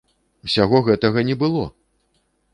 Усяго гэтага не было!